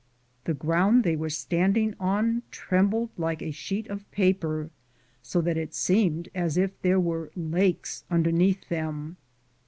The ground they were standing on trembled like a sheet of paper, so that it seemed as if there were lakes underneath them.